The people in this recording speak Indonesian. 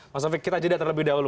mas sofie kita jadi terlebih dahulu